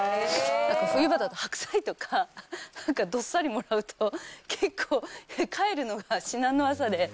冬場だと、白菜とかなんかどっさりもらうと、結構、帰るのが至難の業で。